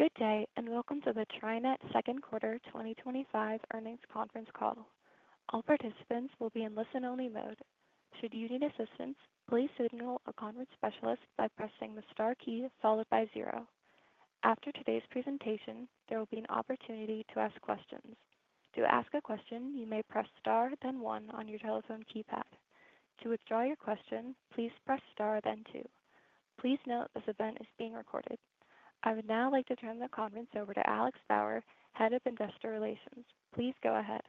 Good day, and welcome to the TriNet Second Quarter twenty twenty five Earnings Conference Call. All participants will be in listen only mode. Please note this event is being recorded. I would now like to turn the conference over to Alex Head of Investor Relations. Please go ahead.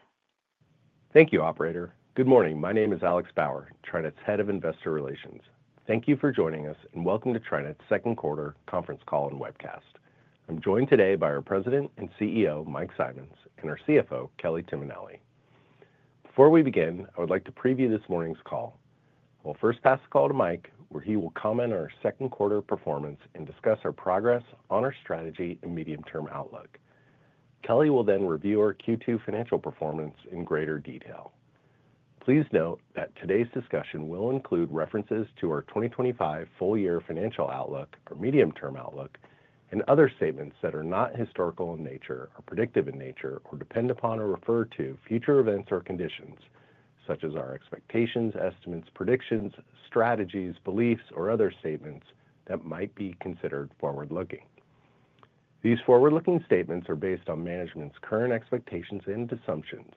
Thank you, operator. Good morning. My name is Alex Bauer, TriNet's Head of Investor Relations. Thank you for joining us, and welcome to TriNet's second quarter conference call and webcast. I'm joined today by our President and CEO, Mike Simons and our CFO, Kelly Timonelli. Before we begin, I would like to preview this morning's call. I'll first pass the call to Mike, where he will comment on our second quarter performance and discuss our progress on our strategy and medium term outlook. Kelly will then review our Q2 financial performance in greater detail. Please note that today's discussion will include references to our 2025 full year financial outlook or medium term outlook and other statements that are not historical in nature or predictive in nature or depend upon or refer to future events or conditions such as our expectations, estimates, predictions, strategies, beliefs or other statements that might be considered forward looking. These forward looking statements are based on management's current expectations and assumptions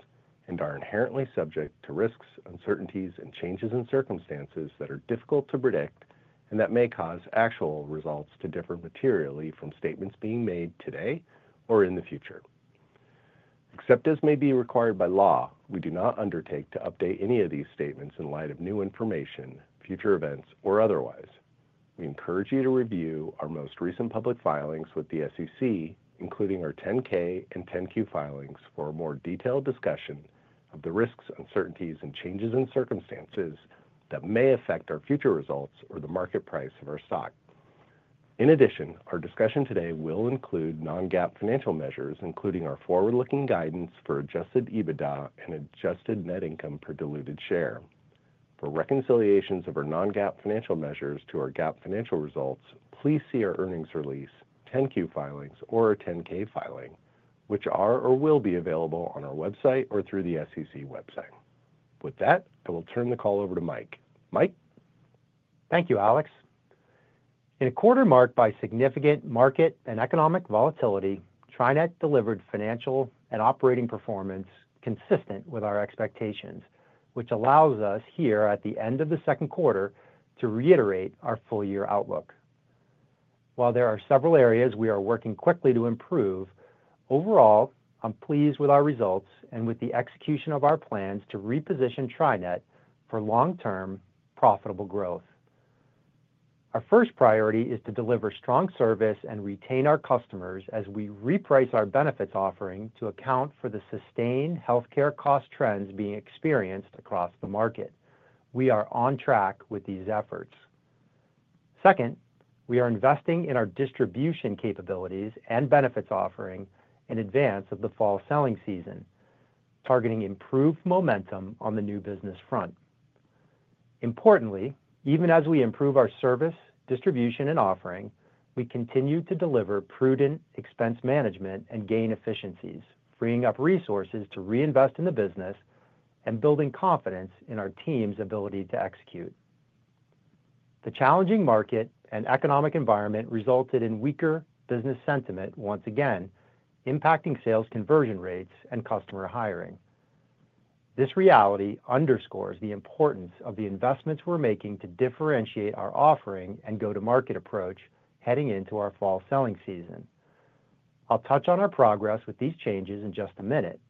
and are inherently subject to risks, uncertainties and changes in circumstances that are difficult to predict and that may cause actual results to differ materially from statements being made today or in the future. Except as may be required by law, we do not undertake to update any of these statements in light of new information, future events or otherwise. We encourage you to review our most recent public filings with the SEC, including our 10 ks and 10 Q filings for a more detailed discussion of the risks, uncertainties and changes in circumstances that may affect our future results or the market price of our stock. In addition, our discussion today will include non GAAP financial measures, including our forward looking guidance for adjusted EBITDA and adjusted net income per diluted share. For reconciliations of our non GAAP financial measures to our GAAP financial results, please see our earnings release, 10 Q filings or 10 ks filing, which are or will be available on our website or through the SEC website. With that, I will turn the call over to Mike. Mike? Thank you Alex. In a quarter marked by significant market and economic volatility TriNet delivered financial and operating performance consistent with our expectations which allows us here at the end of the second quarter to reiterate our full year outlook. While there are several areas we are working quickly to improve, overall I'm pleased with our results and with the execution of our plans to reposition TriNet for long term profitable growth. Our first priority is to deliver strong service and retain our customers as we reprice our benefits offering to account for the sustained health care cost trends being experienced across the market. We are on track with these efforts. Second, we are investing in our distribution capabilities and benefits offering in advance of the fall selling season, targeting improved momentum on the new business front. Importantly, even as we improve our service, distribution and offering, we continue to deliver prudent expense management and gain efficiencies, freeing up resources to reinvest in the business and building confidence in our team's ability to execute. The challenging market and economic environment resulted in weaker business sentiment once again impacting sales conversion rates and customer hiring. This reality underscores the importance of the investments we're making to differentiate our offering and go to market approach heading into our fall selling season. I'll touch on our progress with these changes in just a minute.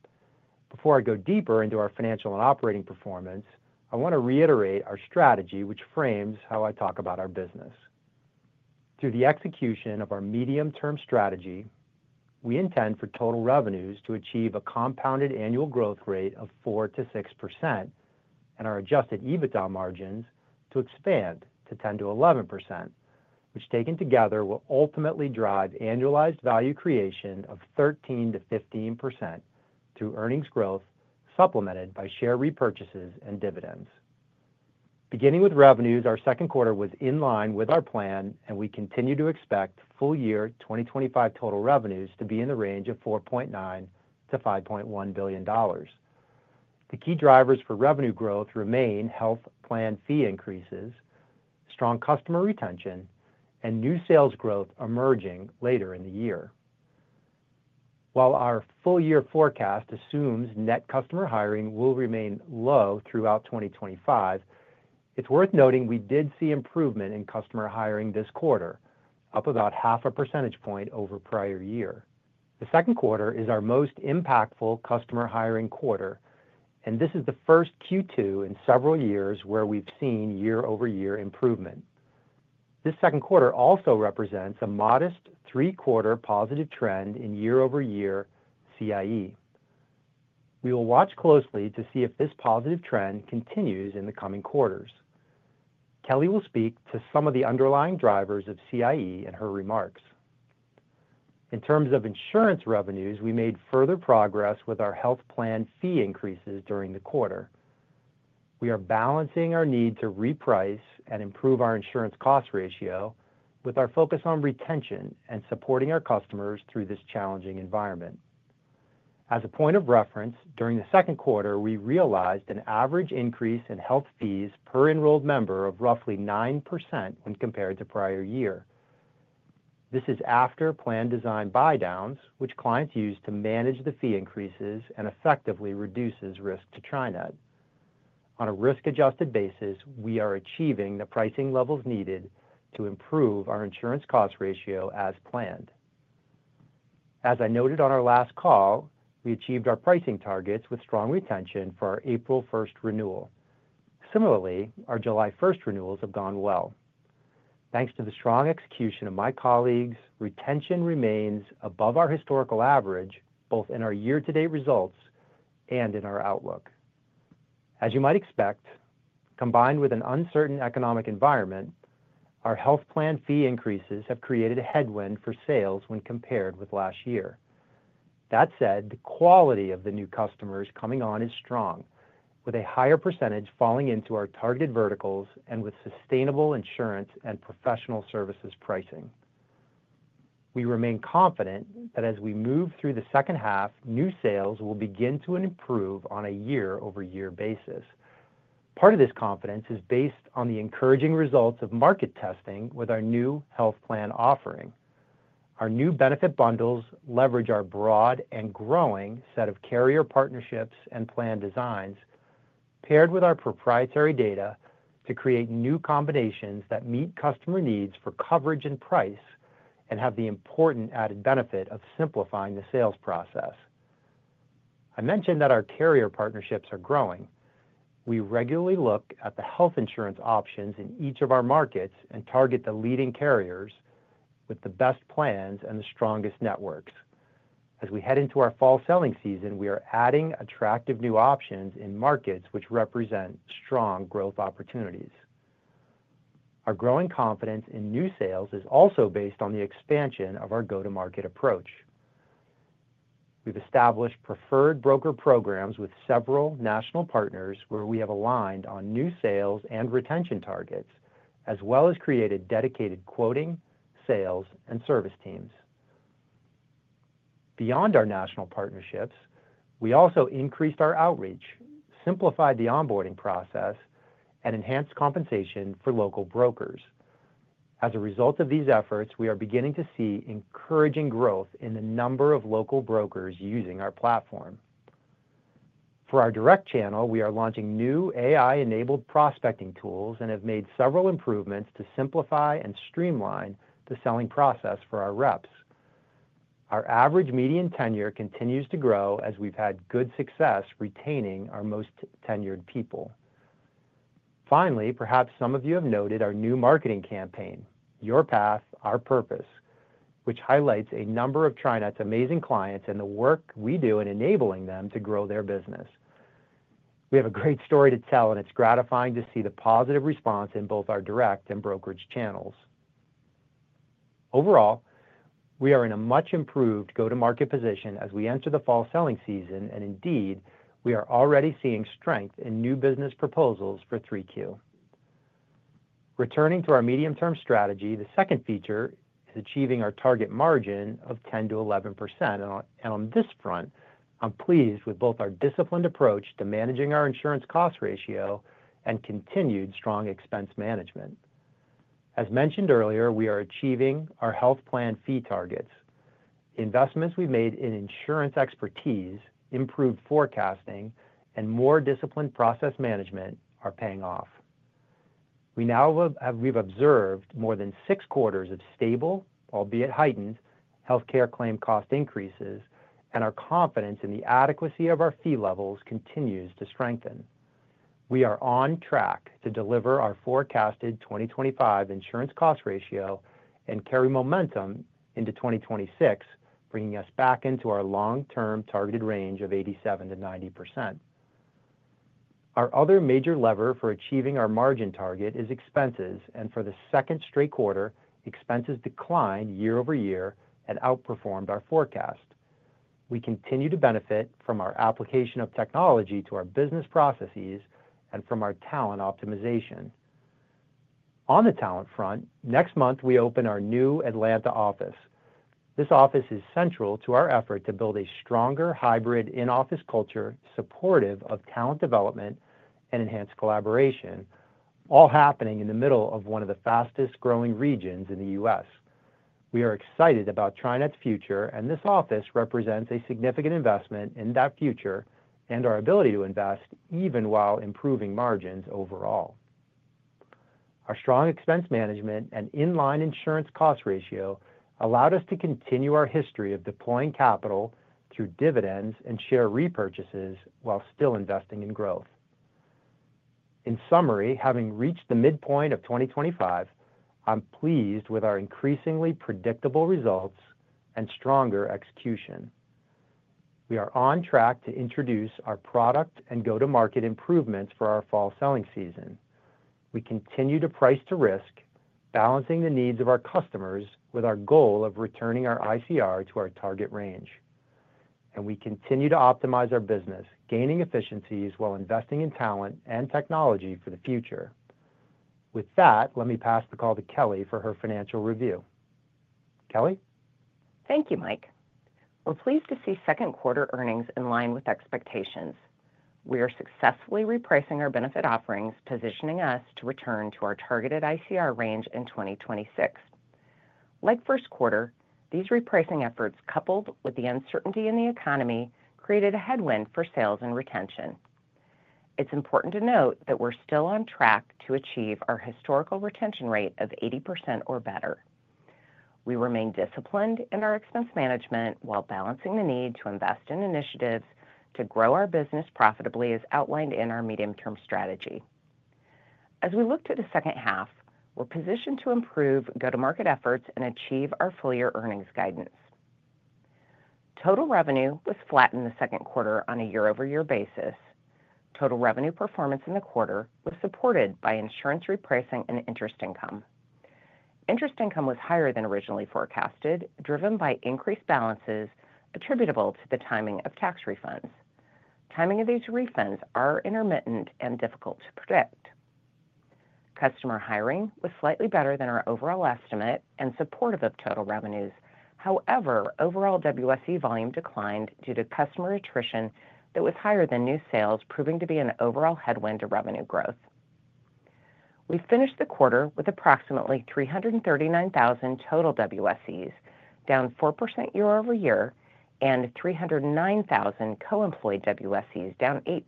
Before I go deeper into our financial and operating performance, I want to reiterate our strategy which frames how I talk about our business. Through the execution of our medium term strategy, we intend for total revenues to achieve a compounded annual growth rate of 4% to 6% and our adjusted EBITDA margins to expand to 10% to 11% which taken together will ultimately drive annualized value creation of 13% to 15% through earnings growth supplemented by share repurchases and dividends. Beginning with revenues, our second quarter was in line with our plan and we continue to expect full year 2025 total revenues to be in the range of four point nine to five point one billion dollars. The key drivers for revenue growth remain health plan fee increases, strong customer retention, and new sales growth emerging later in the year. While our full year forecast assumes net customer hiring will remain low throughout 2025, it's worth noting we did see improvement in customer hiring this quarter, up about half a percentage point over prior year. The second quarter is our most impactful customer hiring quarter and this is the first Q2 in several years where we've seen year over year improvement. This second quarter also represents a modest three quarter positive trend in year over year CIE. We will watch closely to see if this positive trend continues in the coming quarters. Kelly will speak to some of the underlying drivers of CIE in her remarks. In terms of insurance revenues, we made further progress with our health plan fee increases during the quarter. We are balancing our need to reprice and improve our insurance cost ratio with our focus on retention and supporting our customers through this challenging environment. As a point of reference, during the second quarter we realized an average increase in health fees per enrolled member of roughly 9% when compared to prior year. This is after plan design buy downs which clients use to manage the fee increases and effectively reduces risk to TriNet. On a risk adjusted basis we are achieving the pricing levels needed to improve our insurance cost ratio as planned. As I noted on our last call we achieved our pricing targets with strong retention for our April 1 renewal. Similarly our July 1 renewals have gone well. Thanks to the strong execution of my colleagues retention remains above our historical average both in our year to date results and in our outlook. As you might expect combined with an uncertain economic environment our health plan fee increases have created a headwind for sales when compared with last year. That said the quality of the new customers coming on is strong with a higher percentage falling into our targeted verticals and with sustainable insurance and professional services pricing. We remain confident that as we move through the second half, new sales will begin to improve on a year over year basis. Part of this confidence is based on the encouraging results of market testing with our new health plan offering. Our new benefit bundles leverage our broad and growing set of carrier partnerships and plan designs paired with our proprietary data to create new combinations that meet customer needs for coverage and price and have the important added benefit of simplifying the sales process. I mentioned that our carrier partnerships are growing. We regularly look at the health insurance options in each of our markets and target the leading carriers with the best plans and the strongest networks. As we head into our fall selling season, we are adding attractive new options in markets which represent strong growth opportunities. Our growing confidence in new sales is also based on the expansion of our go to market approach. We've established preferred broker programs with several national partners where we have aligned on new sales and retention targets as well as created dedicated quoting, sales, and service teams. Beyond our national partnerships, we also increased our outreach, simplified the onboarding process, and enhanced compensation for local brokers. As a result of these efforts, we are beginning to see encouraging growth in the number of local brokers using our platform. For our direct channel, we are launching new AI enabled prospecting tools and have made several improvements to simplify and streamline the selling process for our reps. Our average median tenure continues to grow as we've had good success retaining our most tenured people. Finally, perhaps some of you have noted our new marketing campaign, your path, our purpose, which highlights a number of TriNet's amazing clients and the work we do in enabling them to grow their business. We have a great story to tell, and it's gratifying to see the positive response in both our direct and brokerage channels. Overall, we are in a much improved go to market position as we enter the fall selling season and indeed we are already seeing strength in new business proposals for 3Q. Returning to our medium term strategy, the second feature is achieving our target margin of 10 to 11%. And on this front, I'm pleased with both our disciplined approach to managing our insurance cost ratio and continued strong expense management. As mentioned earlier, we are achieving our health plan fee targets. Investments we made in insurance expertise, improved forecasting and more disciplined process management are paying off. We now have we've observed more than six quarters of stable, albeit heightened, health care claim cost increases and our confidence in the adequacy of our fee levels continues to strengthen. We are on track to deliver our forecasted 2025 insurance cost ratio and carry momentum into 2026 bringing us back into our long term targeted range of 87 to 90%. Our other major lever for achieving our margin target is expenses and for the second straight quarter expenses declined year over year and outperformed our forecast. We continue to benefit from our application of technology to our business processes and from our talent optimization. On the talent front, next month we open our new Atlanta office. This office is central to our effort to build a stronger hybrid in office culture supportive of talent development and enhanced collaboration, all happening in the middle of one of the fastest growing regions in The US. We are excited about TriNet's future, and this office represents a significant investment in that future and our ability to invest even while improving margins overall. Our strong expense management and in line insurance cost ratio allowed us to continue our history of deploying capital through dividends and share repurchases while still investing in growth. In summary having reached the midpoint of 2025 I'm pleased with our increasingly predictable results and stronger execution. We are on track to introduce our product and go to market improvements for our fall selling season. We continue to price to risk balancing the needs of our customers with our goal of returning our ICR to our target range And we continue to optimize our business gaining efficiencies while investing in talent and technology for the future. With that let me pass the call to Kelly for her financial review. Kelly? Thank you Mike. We're pleased to see second quarter earnings in line with expectations. We are successfully repricing our benefit offerings positioning us to return to our targeted ICR range in 2026. Like first quarter, these repricing efforts coupled with the uncertainty in the economy created a headwind for sales and retention. It's important to note that we're still on track to achieve our historical retention rate of 80% or better. We remain disciplined in our expense management while balancing the need to invest in initiatives to grow our business profitably as outlined in our medium term strategy. As we look to the second half, we're positioned to improve go to market efforts and achieve our full year earnings guidance. Total revenue was flat in the second quarter on a year over year basis. Total revenue performance in the quarter was supported by insurance repricing and interest income. Interest income was higher than originally forecasted driven by increased balances attributable to the timing of tax refunds. Timing of these refunds are intermittent and difficult to predict. Customer hiring was slightly better than our overall estimate and supportive of total revenues. However, overall WSE volume declined due to customer attrition that was higher than new sales proving to be an overall headwind to revenue growth. We finished the quarter with approximately 339,000 total WSEs down 4% year over year and 309,000 co employed WSEs down 8%.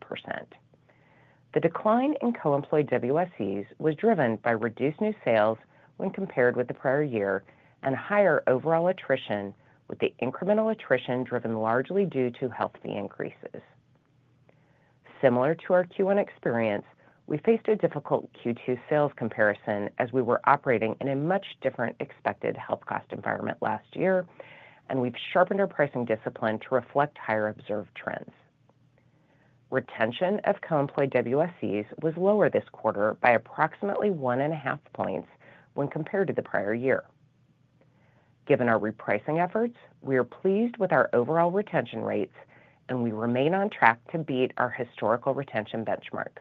The decline in co employed WSEs was driven by reduced new sales when compared with the prior year and higher overall attrition with the incremental attrition driven largely due to healthy increases. Similar to our Q1 experience, we faced a difficult Q2 sales comparison as we were operating in a much different expected health cost environment last year and we've sharpened our pricing discipline to reflect higher observed trends. Retention of co employed WSCs was lower this quarter by approximately 1.5 points when compared to the prior year. Given our repricing efforts, we are pleased with our overall retention rates and we remain on track to beat our historical retention benchmark.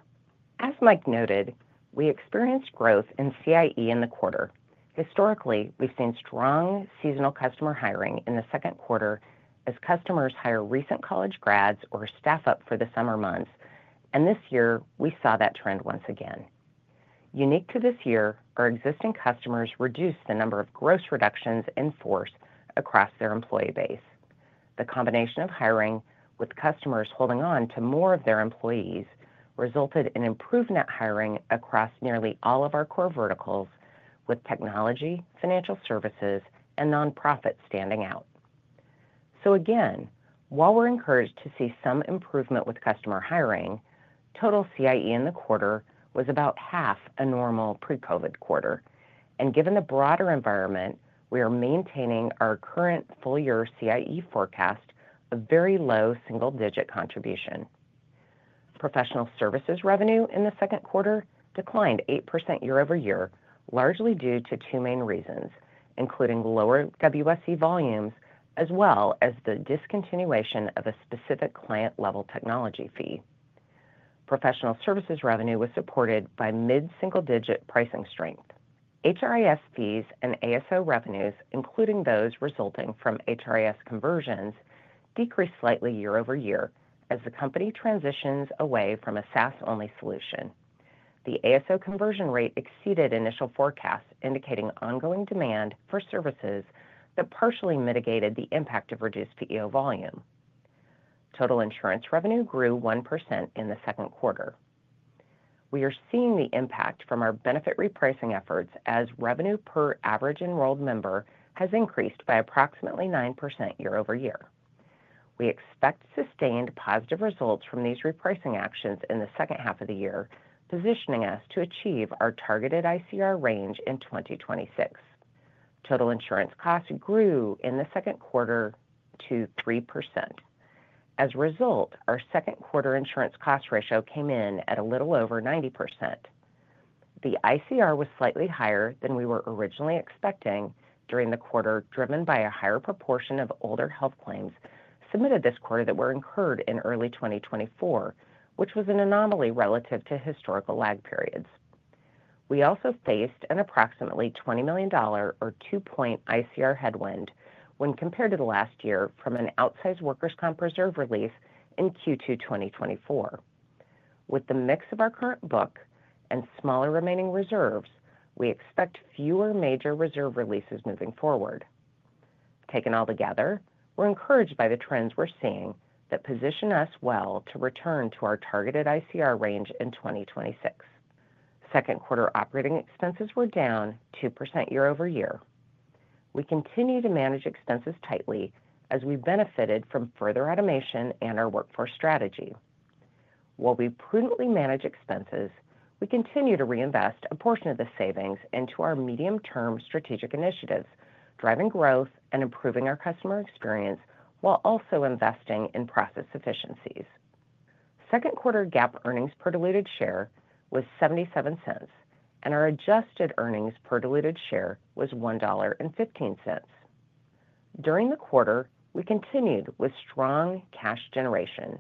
As Mike noted, we experienced growth in CIE in the quarter. Historically, we've seen strong seasonal customer hiring in the second quarter as customers hire recent college grads or staff up for the summer months. And this year, we saw that trend once again. Unique to this year, our existing customers reduced the number of gross reductions in force across their employee base. The combination of hiring with customers holding on to more of their employees resulted in improvement hiring across nearly all of our core verticals with technology, financial services, and non profit standing out. So again, while we're encouraged to see some improvement with customer hiring, total CIE in the quarter was about half a normal pre COVID quarter. And given the broader environment, we are maintaining our current full year CIE forecast a very low single digit contribution. Professional services revenue in the second quarter declined 8% year over year largely due to two main reasons including lower WSE volumes as well as the discontinuation of a specific client level technology fee. Professional services revenue was supported by mid single digit pricing strength. HRIS fees and ASO revenues including those resulting from HRIS conversions decreased slightly year over year as the company transitions away from a SaaS only solution. The ASO conversion rate exceeded initial forecasts indicating ongoing demand for services that partially mitigated the impact of reduced PEO volume. Total insurance revenue grew 1% in the second quarter. We are seeing the impact from our benefit repricing efforts as revenue per average enrolled member has increased by approximately 9% year over year. We expect sustained positive results from these repricing actions in the second half of the year positioning us to achieve our targeted ICR range in 2026. Total insurance costs grew in the second quarter to 3%. As a result our second quarter insurance cost ratio came in at a little over 90%. The ICR was slightly higher than we were originally expecting during the quarter driven by a higher proportion of older health claims submitted this quarter that were incurred in early twenty twenty four which was an anomaly relative to historical lag periods. We also faced an approximately $20,000,000 or two point ICR headwind when compared to the last year from an outsized workers' comp reserve release in Q2 twenty twenty four. With the mix of our current book and smaller remaining reserves, we expect fewer major reserve releases moving forward. Taken altogether, we're encouraged by the trends we're seeing that position us well to return to our targeted ICR range in 2026. Second quarter operating expenses were down 2% year over year. We continue to manage expenses tightly as we benefited from further automation and our workforce strategy. While we prudently manage expenses, we continue to reinvest a portion of the savings into our medium term strategic initiatives driving growth and improving our customer experience while also investing in process efficiencies. Second quarter GAAP earnings per diluted share was $0.77 and our adjusted earnings per diluted share was $1.15 During the quarter we continued with strong cash generation.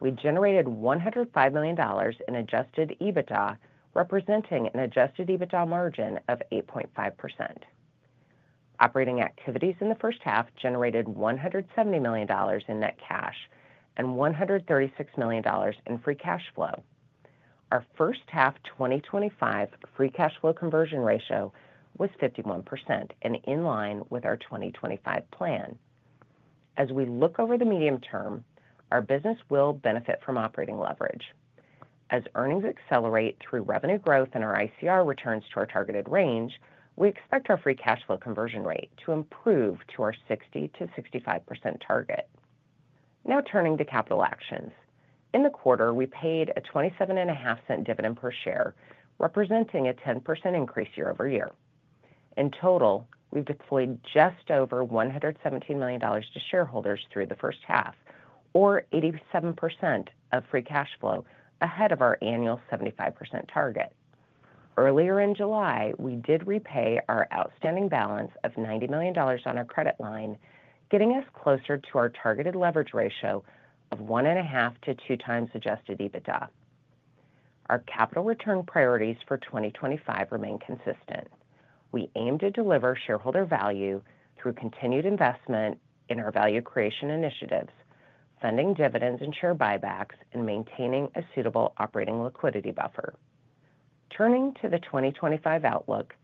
We generated $105,000,000 in adjusted EBITDA representing an adjusted EBITDA margin of 8.5%. Operating activities in the first half generated $170,000,000 in net cash and $136,000,000 in free cash flow. Our first half twenty twenty five free cash flow conversion ratio was 51% and in line with our 2025 plan. As we look over the medium term, our business will benefit from operating leverage. As earnings accelerate through revenue growth and our ICR returns to our targeted range we expect our free cash flow conversion rate to improve to our 60% to 65% target. Now turning to capital actions. In the quarter we paid a 27.5¢ dividend per share representing a 10% increase year over year. In total we've deployed just over 117,000,000 to shareholders through the first half or 87% of free cash flow ahead of our annual 75% target. Earlier in July we did repay our outstanding balance of $90,000,000 on our credit line getting us closer to our targeted leverage ratio of 1.5 to two times adjusted EBITDA. Our capital return priorities for 2025 remain consistent. We aim to deliver shareholder value through continued investment in our value creation initiatives, funding dividends and share buybacks and maintaining a suitable operating liquidity buffer. Turning to the 2025 outlook,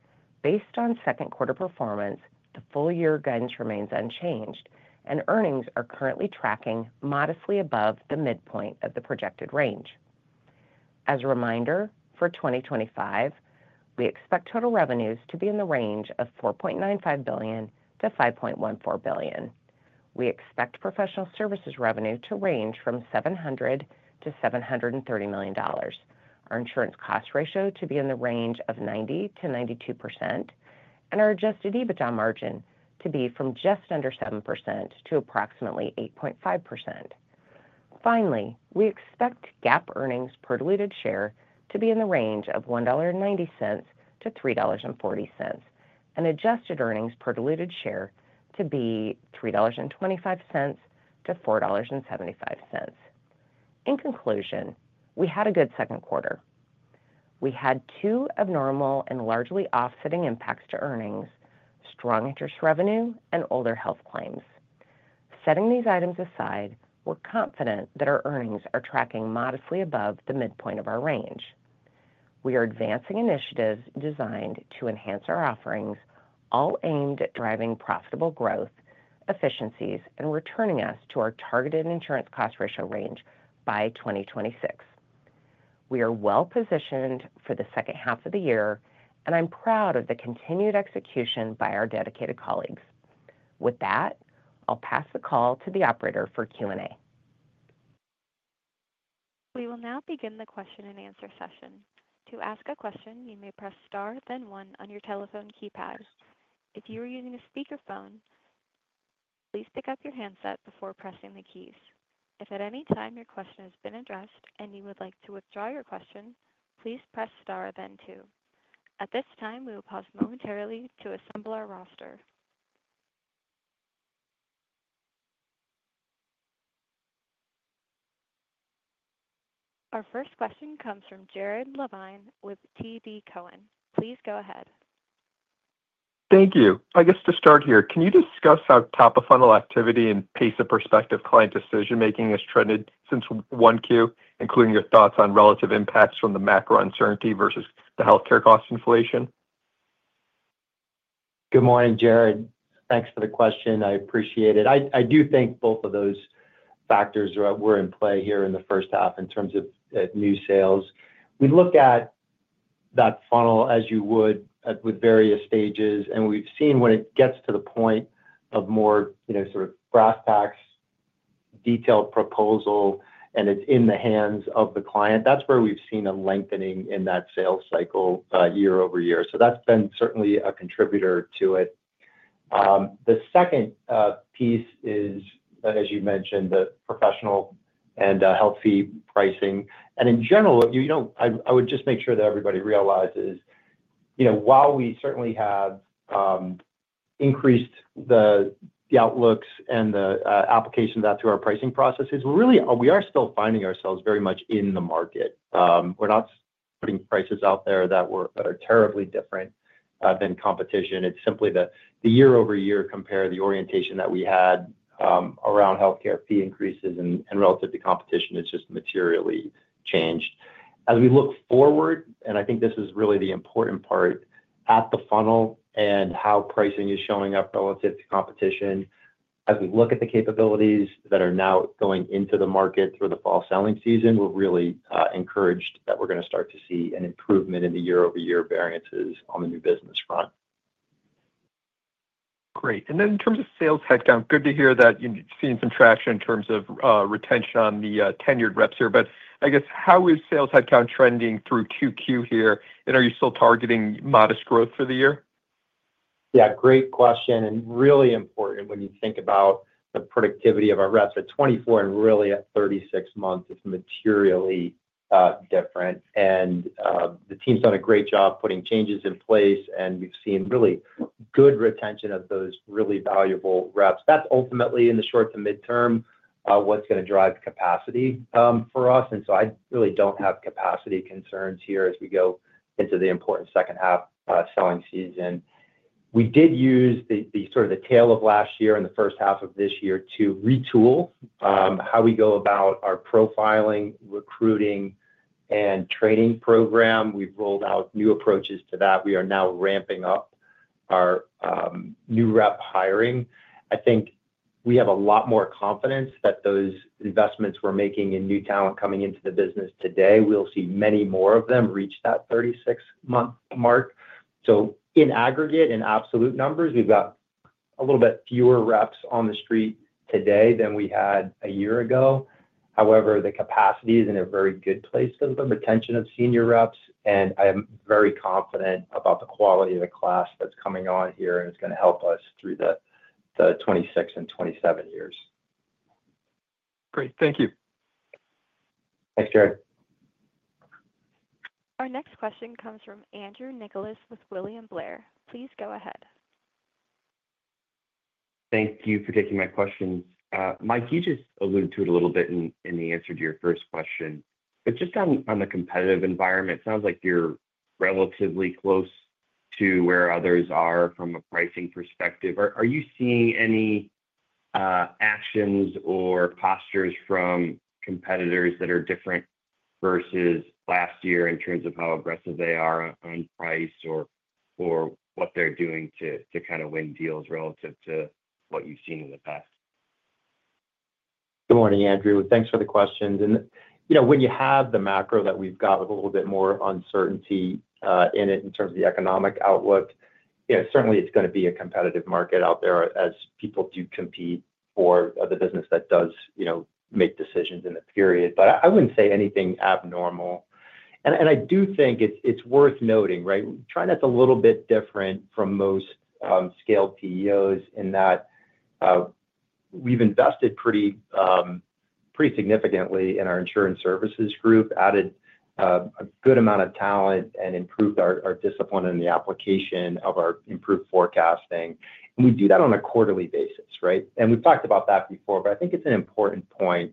based on second quarter performance, the full year guidance remains unchanged and earnings are currently tracking modestly above the midpoint of the projected range. As a reminder, for 2025, we expect total revenues to be in the range of 4,950,000,000.00 to 5,140,000,000.00. We expect professional services revenue to range from 700 to $730,000,000. Our insurance cost ratio to be in the range of 90 to 92% and our adjusted EBITDA margin to be from just under 7% to approximately 8.5%. Finally, we expect GAAP earnings per diluted share to be in the range of $1.9 to $3.4 and adjusted earnings per diluted share to be $3.25 to $4.75 In conclusion, we had a good second quarter. We had two abnormal and largely offsetting impacts to earnings, strong interest revenue and older health claims. Setting these items aside, we're confident that our earnings are tracking modestly above the midpoint of our range. We are advancing initiatives designed to enhance our offerings all aimed at driving profitable growth, efficiencies, and returning us to our targeted insurance cost ratio range by 2026. We are well positioned for the second half of the year, and I'm proud of the continued execution by our dedicated colleagues. With that, I'll pass the call to the operator for Q and A. We will now begin the question and answer session. Our first question comes from Jared Levine with TD Cowen. Please go ahead. Thank you. I guess to start here, can you discuss how top of funnel activity and pace of perspective client decision making has trended since 1Q, including your thoughts on relative impacts from the macro uncertainty versus the health care cost inflation? Morning, Jared. Thanks for the question. I appreciate it. I do think both of those factors were in play here in the first half in terms of new sales. We look at that funnel as you would with various stages. And we've seen when it gets to the point of more sort of brass tacks detailed proposal, and it's in the hands of the client, that's where we've seen a lengthening in that sales cycle year over year. So that's been certainly a contributor to it. The second piece is, that, as you mentioned, the professional and, healthy pricing. And in general, I would just make sure that everybody realizes, while we certainly have increased the outlooks and the application of that through our pricing processes, we really we are still finding ourselves very much in the market. We're not putting prices out there that are terribly different than competition. It's simply the year over year compare, the orientation that we had, around health care fee increases and relative to competition, it's just materially changed. As we look forward and I think this is really the important part at the funnel and how pricing is showing up relative to competition, as we look at the capabilities that are now going into the market through the fall selling season, we're really encouraged that we're going to start to see an improvement in the year over year variances on the new business front. Great. And then in terms of sales headcount, good to hear that you've seen some traction in terms of retention on the tenured reps here. But I guess how is sales headcount trending through 2Q here? And are you still targeting modest growth for the year? Yeah. Great question. And really important when you think about the productivity of our reps at 24 and really at thirty six months, it's materially different. And the team's done a great job putting changes in place, and we've seen really good retention of those really valuable reps. That's ultimately, in the short to midterm, what's going to drive capacity, for us. And so I really don't have capacity concerns here as we go into the important second half selling season. We did use sort of the tail of last year and the first half of this year to retool, how we go about our profiling, recruiting and training program. We've rolled out new approaches to that. We are now ramping up our, new rep hiring. I think we have a lot more confidence that those investments we're making in new talent coming into the business today, we'll see many more of them reach that thirty six month mark. So in aggregate, in absolute numbers, we've got a little bit fewer reps on the street today than we had a year ago. However, the capacity is in a very good place to put the attention of senior reps, And I am very confident about the quality of the class that's coming on here, and it's going to help us through the 'twenty six and 'twenty seven years. Great. Thank you. Thanks, Jared. Our next question comes from Andrew Nicholas with William Blair. Please go ahead. Thank you for taking my questions. Mike, you just alluded to it a little bit in the answer to your first question. But just on the competitive environment, it sounds like you're relatively close to where others are from a pricing perspective. Are are you seeing any, actions or postures from competitors that are different versus last year in terms of how aggressive they are on price or what they're doing to kind of win deals relative to what you've seen in the past? Morning, Andrew. Thanks for the questions. And When you have the macro that we've got with a little bit more uncertainty in it in terms of the economic outlook, certainly, it's going to be a competitive market out there as people do compete for the business that does make decisions in the period. But I wouldn't say anything abnormal. And I do think it's worth noting, right, TriNet's a little bit different from most, scaled PEOs in that we've invested pretty significantly in our Insurance Services group, added a good amount of talent and improved our discipline in the application of our improved forecasting. And we do that on a quarterly basis. And we've talked about that before, but I think it's an important point.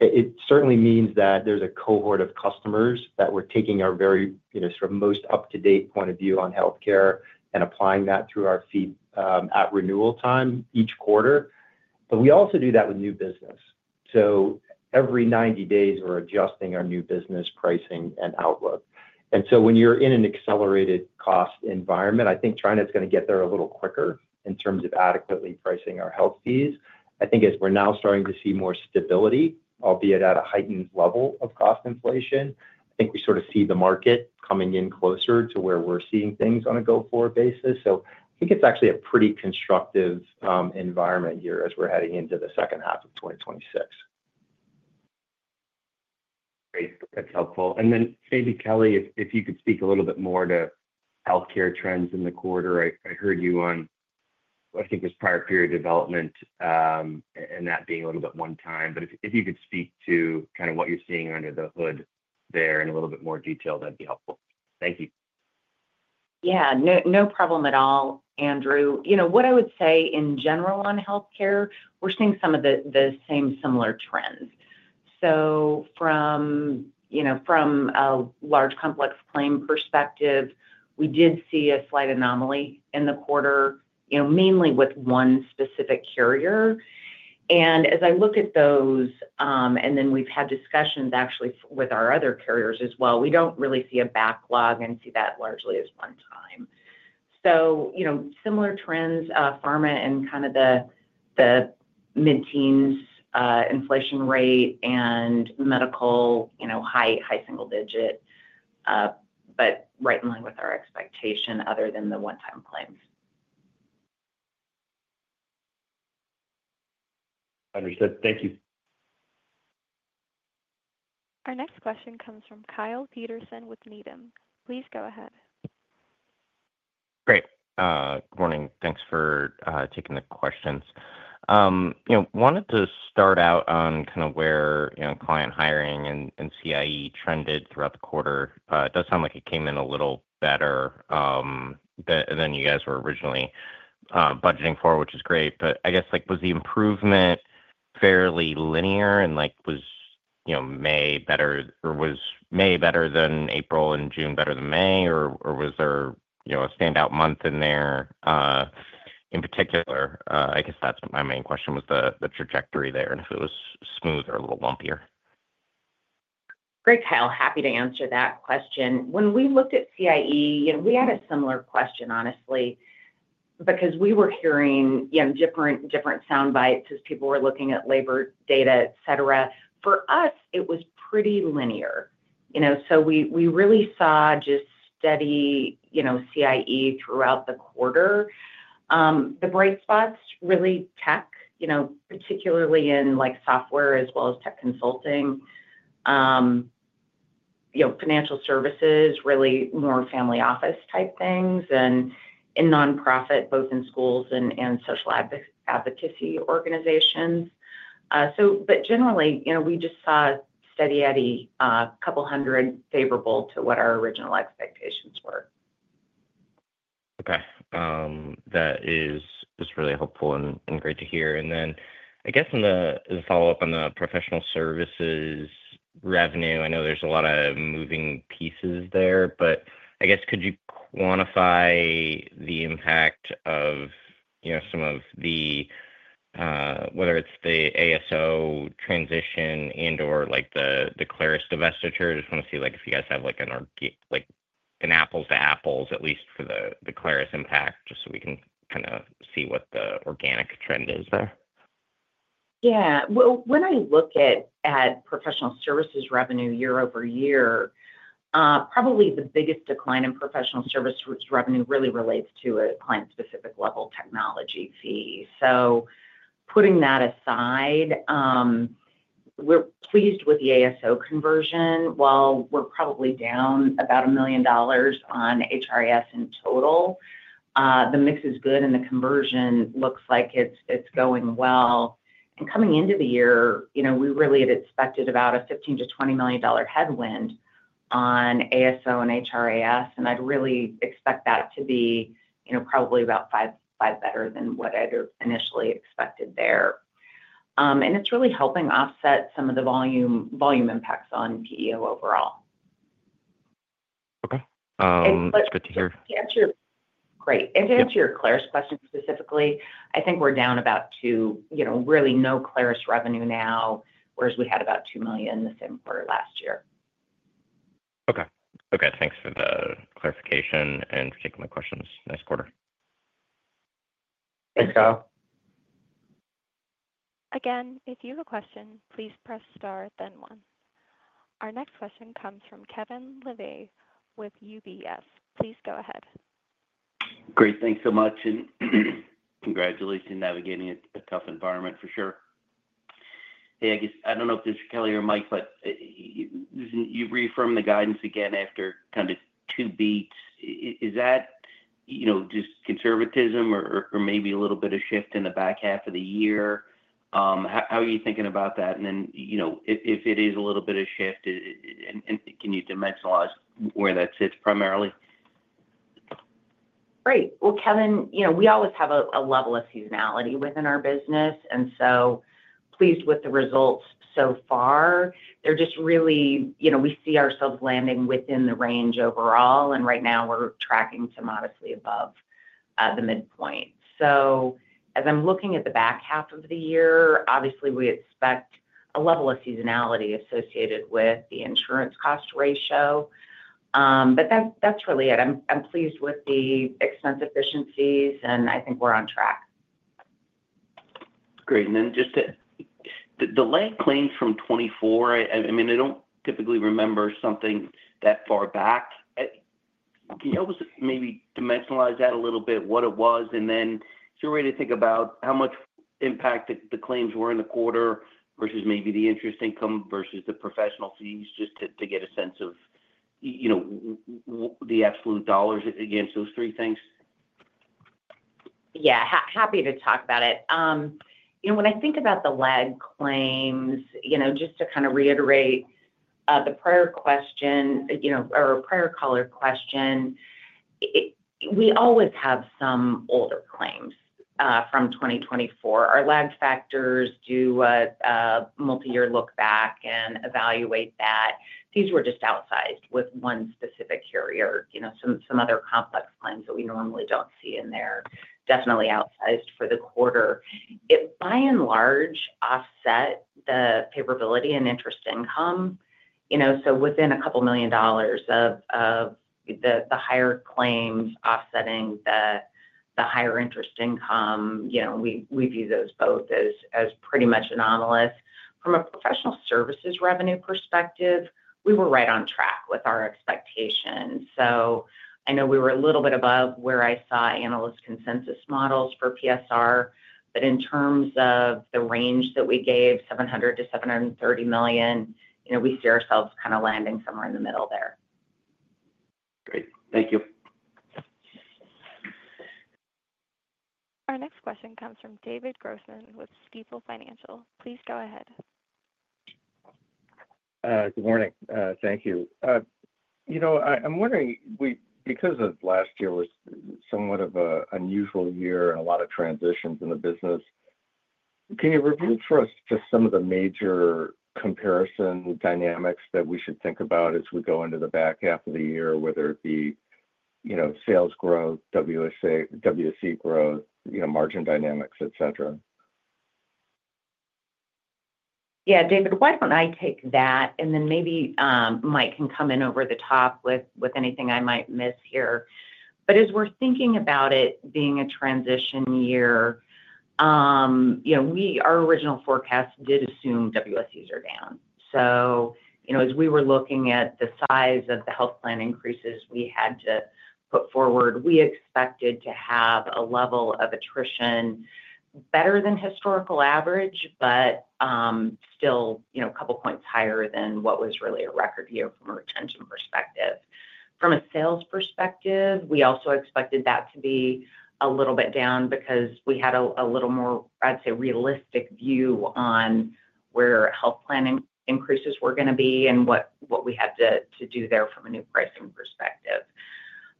It certainly means that there's a cohort of customers that we're taking our very sort of most up to date point of view on health care and applying that through our FEED, at renewal time each quarter. But we also do that with new business. So every 90 days, we're adjusting our new business pricing and outlook. And so when you're in an accelerated cost environment, I think TriNet is going get there a little quicker in terms of adequately pricing our health fees. Think as we're now starting to see more stability, albeit at a heightened level of cost inflation, I think we sort of see the market coming in closer to where we're seeing things on a go forward basis. So I think it's actually a pretty constructive environment here as we're heading into the second half of twenty twenty six. Great. That's helpful. And then maybe, Kelly, if you could speak a little bit more to health care trends in the quarter. I heard you on I think, this prior period development, that being a little bit onetime. But if if you could speak to kinda what you're seeing under the hood there in a little bit more detail, that'd be helpful. Thank you. Yeah. No problem at all, Andrew. You know, what I would say in general on health care, we're seeing some of the the same similar trends. So from, you know, from a large complex claim perspective, we did see a slight anomaly in the quarter, mainly with one specific carrier. And as I look at those, and then we've had discussions actually with our other carriers as well, we don't really see a backlog and see that largely as one time. So similar trends, pharma and kind of the mid teens inflation rate and medical high single digit, but right in line with our expectation other than the onetime claims. Understood. Thank you. Our next question comes from Kyle Peterson with Needham. Please go ahead. Great. Good morning. Thanks for taking the questions. Wanted to start out on kind of where, you know, client hiring and and CIE trended throughout the quarter. It does sound like it came in a little better than you guys were originally, budgeting for, which is great. But I guess, like, was the improvement fairly linear and, like, was, you know, May better or was May better than April and June better than May, or or was there, you know, a standout month in there, in particular? I guess that's what my main question was, the the trajectory there and if it was smooth or a little lumpier. Great, Kyle. Happy to answer that question. When we looked at CIE, you know, we had a similar question, honestly, because we were hearing, you know, different different sound bites as people were looking at labor data, etcetera. For us, it was pretty linear. So we really saw just steady CIE throughout the quarter. The bright spots, really tech, particularly in software as well as tech consulting. You know, financial services, really more family office type things, and in nonprofit, both in schools and social advocacy organizations. So but generally, you know, we just saw steady Eddie, couple 100 favorable to what our original expectations were. Okay. That is is really helpful and and great to hear. And then I guess in the as a follow-up on the professional services revenue, I know there's a lot of moving pieces there. But I guess, could you quantify the impact of some of the whether it's the ASO transition and or, like, the the Clarus divestiture. Just wanna see, like, if you guys have, like, an like, an apples to apples, at least, for the the Clarus impact just so we can kinda see what the organic trend is there. Yeah. Well, when I look at at professional services revenue year over year, probably the biggest decline in professional service revenue really relates to a client specific level technology fee. So putting that aside, we're pleased with the ASO conversion. While we're probably down about a million dollars on HRIS in total, the mix is good, the conversion looks like it's it's going well. And coming into the year, we really had expected about a 15,000,000 to $20,000,000 headwind on ASO and HRIS, and I'd really expect that to be probably about five better than what I'd initially expected there. And it's really helping offset some of the volume volume impacts on PEO overall. Okay. That's good to hear. Great. And to answer your Claris question specifically, I think we're down about 2,000,000 no Claris revenue now, whereas we had about $2,000,000 in the same quarter last year. Okay. Okay. Thanks for the clarification and for taking my questions. Nice quarter. Thanks, Kyle. Our next question comes from Kevin Levy with UBS. Please go ahead. Great. Thanks so much and congratulations in navigating a tough environment for sure. Hey, I guess, I don't know if this is Kelly or Mike, but you reaffirmed the guidance again after kind of two beats. Is that just conservatism or maybe a little bit of shift in the back half of the year? How are you thinking about that? And then if it is a little bit of shift, can you dimensionalize where that sits primarily? Great. Well, Kevin, you know, we always have a a level of seasonality within our business, and so pleased with the results so far. They're just really you know, we see ourselves landing within the range overall. And right now, we're tracking modestly above the midpoint. So as I'm looking at the back half of the year, obviously, we expect a level of seasonality associated with the insurance cost ratio. But that's that's really it. I'm I'm pleased with the expense efficiencies, and I think we're on track. Great. And then just the the late claims from '24, I mean, I don't typically remember something that far back. Can you help us maybe dimensionalize that a little bit what it was? And then is there a way to think about how much impact the claims were in the quarter versus maybe the interest income versus the professional fees just to get a sense of you know, the absolute dollars against those three things? Yeah. Happy to talk about it. You know, when I think about the lag claims, you know, just to kinda reiterate the prior question, you know, or prior caller question, we always have some older claims from 2024. Our lag factors do a multiyear look back and evaluate that. These were just outsized with one specific carrier. You know, some some other complex clients that we normally don't see in there definitely outsized for the quarter. It, by and large, offset the favorability in interest income. So within a couple million dollars of the higher claims offsetting the higher interest income, we view those both as pretty much anomalous. From a professional services revenue perspective, we were right on track with our expectations. So I know we were a little bit above where I saw analyst consensus models for PSR. But in terms of the range that we gave, 700,000,000 to $730,000,000 we see ourselves kind of landing somewhere in the middle there. Great. Thank you. Our next question comes from David Grossman with Stifel Financial. Please go ahead. Good morning. Thank you. I'm wondering, because of last year was somewhat of an unusual year and a lot of transitions in the business, Can you review for us just some of the major comparison dynamics that we should think about as we go into the back half of the year, whether it be sales growth, WSA WSE growth, margin dynamics, etcetera? Yeah. David, why don't I take that, and then maybe Mike can come in over the top with anything I might miss here. But as we're thinking about it being a transition year, you know, we our original forecast did assume WSEs are down. So, you know, as we were looking at the size of the health plan increases we had to put forward, we expected to have a level of attrition better than historical average, but, still, you know, a couple points higher than what was really a record year from a retention perspective. From a sales perspective, we also expected that to be a little bit down because we had a a little more, I'd say, realistic view on where health planning increases were gonna be and what what we had to to do there from a new pricing perspective.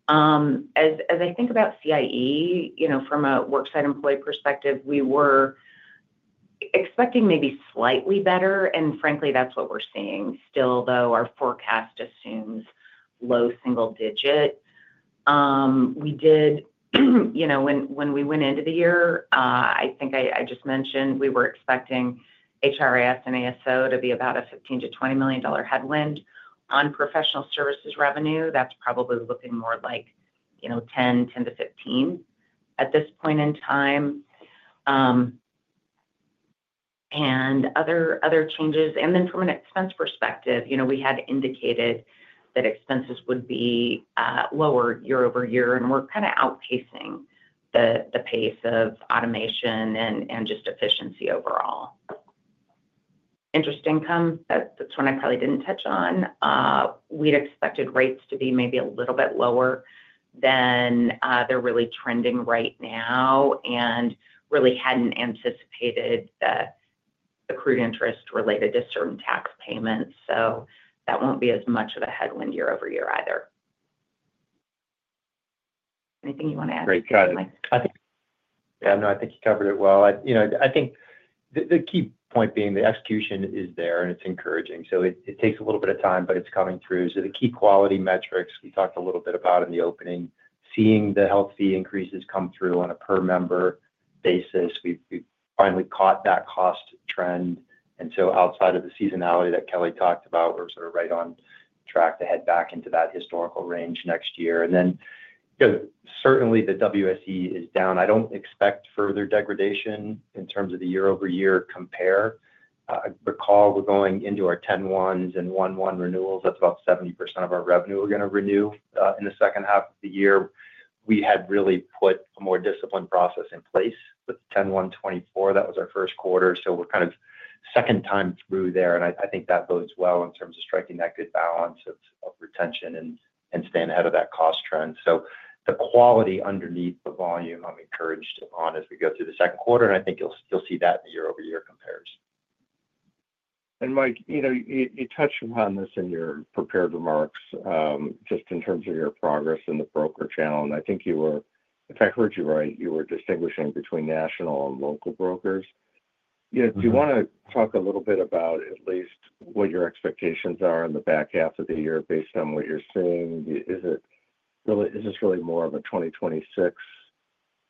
I think about CIE, from a worksite employee perspective, we were expecting maybe slightly better. And frankly, that's what we're seeing. Still, though, our forecast assumes low single digit. We did you know, when when we went into the year, I think I I just mentioned we were expecting HRIS and ASO to be about a 15 to $20,000,000 headwind. On professional services revenue, that's probably looking more like, you know, $10.10 to 15 at this point in time and other other changes. And then from an expense perspective, you know, we had indicated that expenses would be, lower year over year, and we're kinda outpacing the the pace of automation and and just efficiency overall. Interest income, that that's one I probably didn't touch on. We'd expected rates to be maybe a little bit lower than, they're really trending right now and really hadn't anticipated the accrued interest related to certain tax payments. So that won't be as much of a headwind year over year either. Anything you want to add Got it. That, I think yeah. No, I think you covered it well. I think the key point being the execution is there, and it's encouraging. So it takes a little bit of time, but it's coming through. So the key quality metrics talked a little bit about in the opening. Seeing the health fee increases come through on a per member basis, we finally caught that cost trend. And so outside of the seasonality that Kelly talked about, we're sort of right on track to head back into that historical range next year. And then certainly, the WSE is down. I don't expect further degradation in terms of the year over year compare. Recall, we're going into our ten-1s and one-one renewals. That's about 70% of our revenue we're going to renew in the second half of the year. We had really put a more disciplined process in place with ten-one-twenty four. That was our first quarter. So we're kind of second time through there. And I think that bodes well in terms of striking that good balance of retention and staying ahead of that cost trend. So the quality underneath the volume, I'm encouraged on as we go through the second quarter. And I think you'll see that year over year compares. And Mike, you touched upon this in your prepared remarks just in terms of your progress in the broker channel. And I think you were if I heard you right, you were distinguishing between national and local brokers. Do you want to talk a little bit about at least what your expectations are in the back half of the year based on what you're seeing? Is it really is this really more of a 2026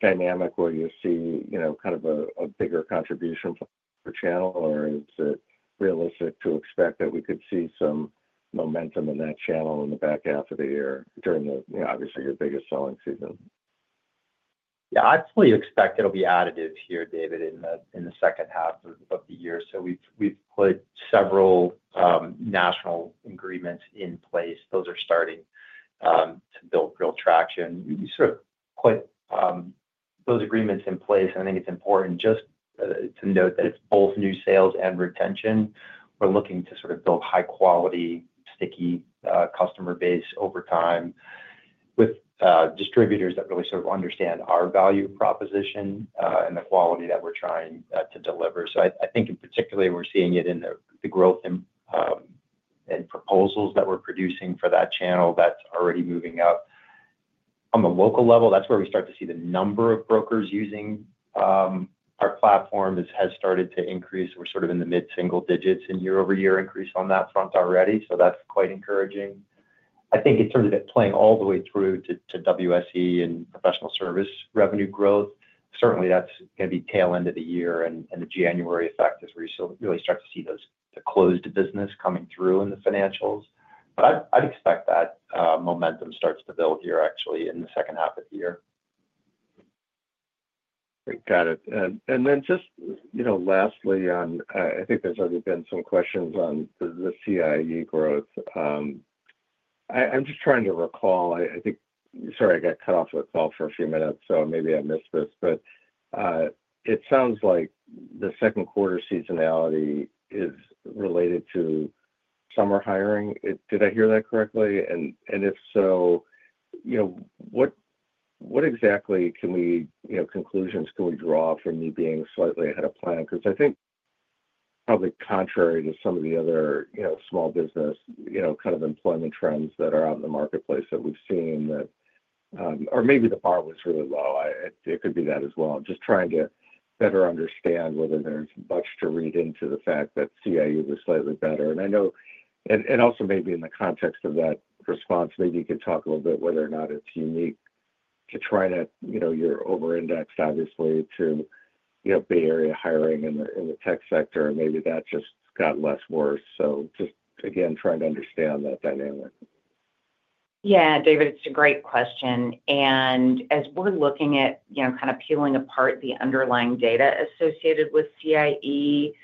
dynamic where you see, you know, kind of a a bigger contribution per channel? Or is it realistic to expect that we could see some momentum in that channel in the back half of the year during, obviously, your biggest selling season? Yes. I fully expect it will be additive here, David, in the second half of the year. So we've put several national agreements in place. Those are starting to build real traction. We sort of put those agreements in place. And I think it's important just to note that it's both new sales and retention. We're looking to sort of build high quality, sticky customer base over time with distributors that really sort of understand our value proposition and the quality that we're trying to deliver. So I think, in particular, we're seeing it in the growth in proposals that we're producing for that channel. That's already moving up. On the local level, that's where we start to see the number of brokers using our platform. It has started to increase. We're sort of in the mid single digits and year over year increase on that front already. So that's quite encouraging. I think in terms of it playing all the way through to WSE and professional service revenue growth, certainly, that's going to be tail end of the year and the January effect as we really start to see those the closed business coming through in the financials. But I'd expect that momentum starts to build here actually in the second half of the year. Great. Got it. And then just lastly on I think there's already been some questions on the CIE growth. I'm just trying to recall, I think sorry, I got cut off the call for a few minutes, so maybe I missed this. But it sounds like the second quarter seasonality is related to summer hiring. Did I hear that correctly? And if so, what exactly can we conclusions can we draw from you being slightly ahead of plan? Because I think probably contrary to some of the other, you know, small business, you know, kind of employment trends that are out in the marketplace that we've seen that or maybe the bar was really low. I it could be that as well. I'm just trying to better understand whether there's much to read into the fact that CIU was slightly better. And I know and also maybe in the context of that response, maybe you can talk a little bit whether or not it's unique to TriNet. You're over indexed, obviously, to you know, Bay Area hiring in the tech sector, and maybe that just got less worse. So just, again, trying to understand that dynamic. Yeah. David, it's a great question. And as we're looking at kind of peeling apart the underlying data associated with CIE,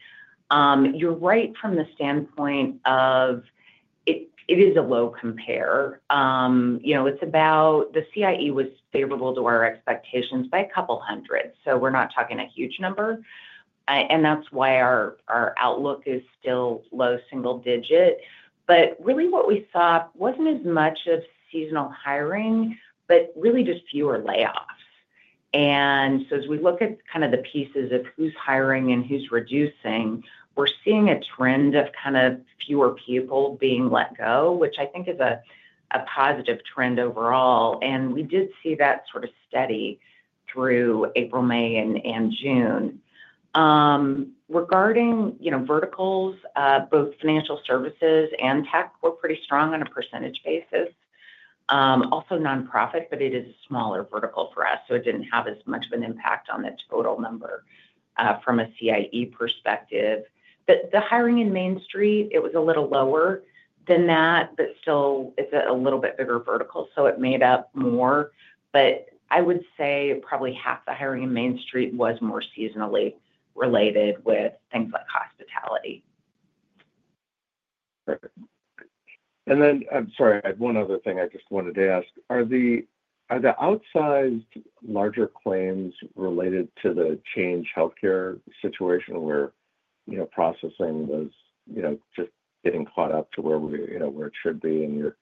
you're right from the standpoint of it it is a low compare. You know, it's about the CIE was favorable to our expectations by a couple 100, so we're not talking a huge number. And that's why our our outlook is still low single digit. But, really, what we thought wasn't as much of seasonal hiring, but really just fewer layoffs. And so as we look at kind of the pieces of who's hiring and who's reducing, we're seeing a trend of kind of fewer people being let go, which I think is a a positive trend overall. And we did see that sort of steady through April, May, and and June. Regarding, you know, verticals, both financial services and tech were pretty strong on a percentage basis. Also nonprofit, but it is a smaller vertical for us, so it didn't have as much of an impact on the total number from a CIE perspective. The the hiring in Main Street, it was a little lower than that, but still it's a little bit bigger vertical, so it made up more. But I would say probably half the hiring in Main Street was more seasonally related with things like hospitality. Perfect. And then I'm sorry. I have one other thing I just wanted to ask. Are the outsized larger claims related to the Change Healthcare situation where, you know, processing was, you know, just getting caught up to where we you know, where it should be and your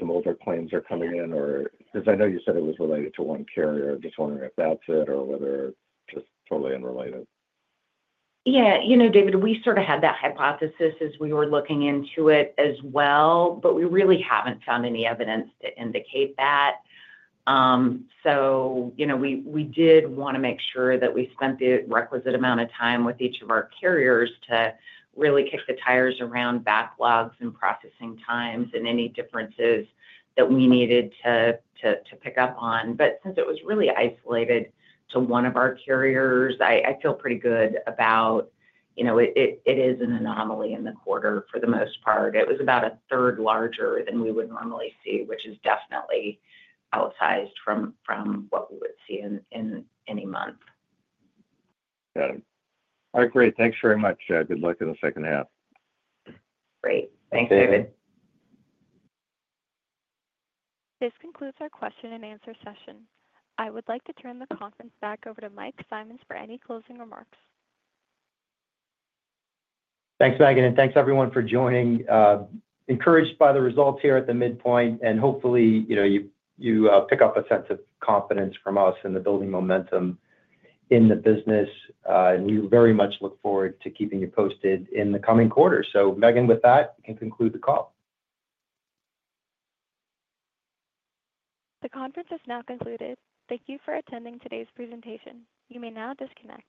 some older claims are coming in or because I know you said it was related to one carrier. Just wondering if that's it or whether just totally unrelated. Yeah. You know, David, we sort of had that hypothesis as we were looking into it as well, but we really haven't found any evidence to indicate that. So, you know, we we did wanna make sure that we spent the requisite amount of time with each of our carriers to really kick the tires around backlogs and processing times and any differences that we needed to to to pick up on. But since it was really isolated to one of our carriers, I I feel pretty good about you know, it is an anomaly in the quarter for the most part. It was about a third larger than we would normally see, which is definitely outsized from what we would see in any month. Got it. All right, great. Thanks very much. Good luck in the second half. Great. Thanks, This concludes our question and answer session. I would like to turn the conference back over to Mike Simons for any closing remarks. Thanks, Megan, and thanks, everyone, for joining. Encouraged by the results here at the midpoint, and hopefully, you pick up a sense of confidence from us in the building momentum in the business. And we very much look forward to keeping you posted in the coming quarters. So Megan, with that, we can conclude the call. The conference has now concluded. Thank you for attending today's presentation. You may now disconnect.